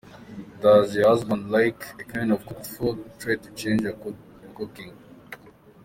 Does your husband like a kind of cooked food?, try to change your cooking.